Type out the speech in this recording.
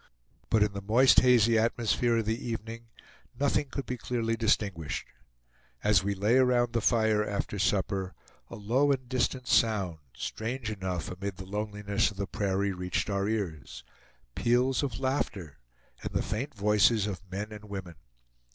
But in the moist, hazy atmosphere of the evening, nothing could be clearly distinguished. As we lay around the fire after supper, a low and distant sound, strange enough amid the loneliness of the prairie, reached our ears peals of laughter, and the faint voices of men and women.